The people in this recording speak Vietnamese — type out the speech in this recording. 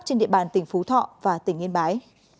trên địa bàn tỉnh phú thọ và tỉnh yên bái